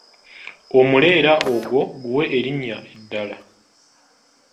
Omuleera ogwo guwe erinnya eddala?